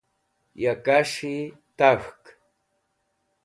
ya kas̃hi tak̃hk